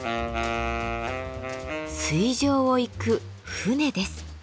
水上を行く「船」です。